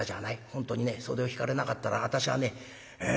本当にね袖を引かれなかったら私はねええ